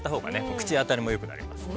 口当たりもよくなりますしね。